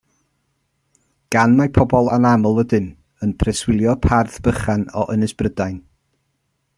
Gan mai pobl anaml ydym, yn preswylio parth bychan o Ynys Brydain.